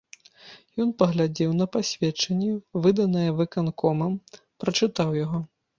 Ён паглядзеў на пасведчанне, выданае выканкомам, прачытаў яго.